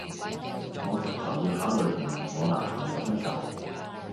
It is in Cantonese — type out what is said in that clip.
我直頭要考慮同埋我男朋友分手